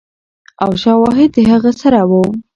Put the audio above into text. او شواهد د هغه سره ؤ